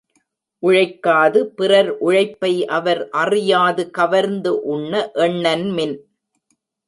உழைக்காது, பிறர் உழைப்பை அவர் அறியாது கவர்ந்து உண்ண எண்ணன்மின்!